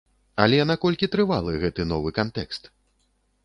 Але наколькі трывалы гэты новы кантэкст?